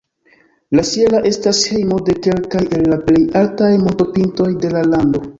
La "sierra" estas hejmo de kelkaj el la plej altaj montopintoj de la lando.